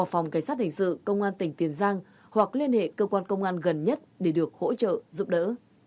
phòng cảnh sát hình sự công an tỉnh tiền giang hoặc liên hệ cơ quan công an gần nhất để được hỗ trợ giúp đỡ